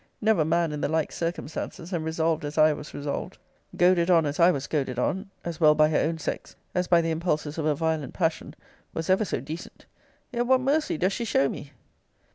Never man, in the like circumstances, and resolved as I was resolved, goaded on as I was goaded on, as well by her own sex, as by the impulses of a violent passion, was ever so decent. Yet what mercy does she show me?